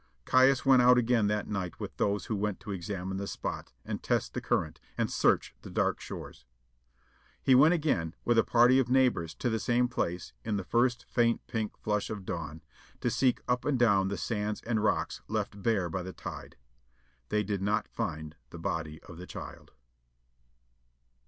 Caius went out again that night with those who went to examine the spot, and test the current, and search the dark shores. He went again, with a party of neighbours, to the same place, in the first faint pink flush of dawn, to seek up and down the sands and rocks left bare by the tide. They did not find the body of the child.